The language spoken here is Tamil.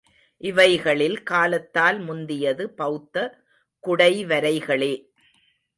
இவைகளில் காலத்தால் முந்தியது பௌத்த குடைவரைகளே.